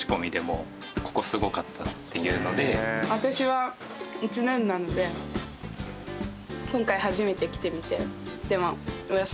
私は１年なので今回初めて来てみて。